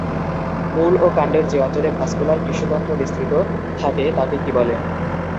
মূল ও কাণ্ডের যে অঞ্চলে ভাস্কুলার টিস্যুতন্ত্র বিস্তৃত থাকে তাকে কী বলে?